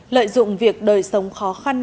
lợi dụng việc đời sống khó khăn